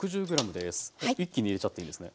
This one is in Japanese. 一気に入れちゃっていいんですね。